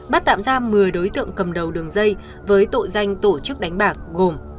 bắt tạm ra một mươi đối tượng cầm đầu đường dây với tội danh tổ chức đánh bạc gồm